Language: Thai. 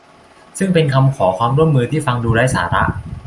ซึ่งเป็นคำขอความร่วมมือที่ฟังดูไร้สาระ